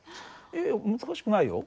いやいや難しくないよ。